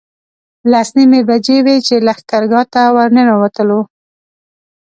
لس نیمې بجې وې چې لښکرګاه ته ورنوتلو.